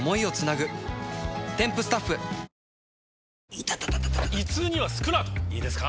イタタ．．．胃痛にはスクラートいいですか？